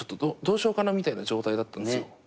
どうしようかなみたいな状態だったんですよ。